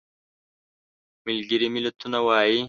ملګري ملتونه وایي.